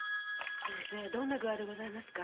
先生どんな具合でございますか？